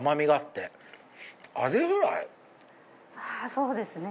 そうですね。